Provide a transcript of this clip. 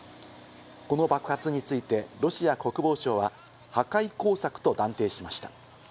この爆発についてロシア国防省は破壊工作と断定しました。